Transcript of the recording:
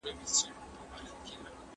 د واکسین د اغېزو راپورونه جمع کېږي.